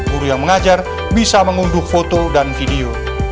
guru yang mengajar bisa mengunduh foto dan video